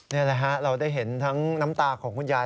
นี่แหละฮะเราได้เห็นทั้งน้ำตาของคุณยาย